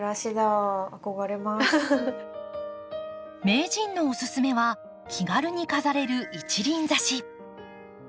名人のおすすめは気軽に飾れる一輪挿し。